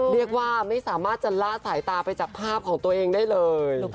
เรียกว่าไม่สามารถจะล่าสายตาไปจากภาพของตัวเองได้เลย